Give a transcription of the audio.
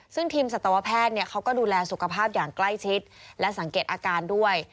ซึ่งทีมสัตวแพทย์เขาก็ดูแลสุขภาพอย่างใกล้ชิดและสังเกตอาการด้วย